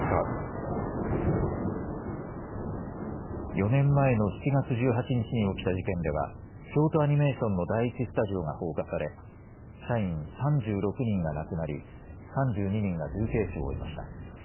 ４年前の７月１８日に起きた事件では京都アニメーションの第１スタジオが放火され社員３６人が亡くなり３２人が重軽傷を負いました。